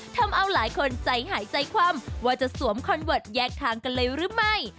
ทำเอาหลายคนใจหายใจคว่ำว่าจะสวมคอนเวิร์ตแยกทางกันเลยหรือไม่